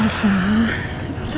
elsa elsa kemana ya pak